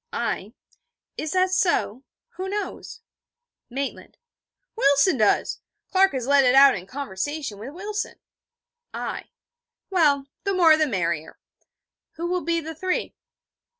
I: 'Is that so? Who knows?' Maitland: 'Wilson does. Clark has let it out in conversation with Wilson.' I: 'Well, the more the merrier. Who will be the three?'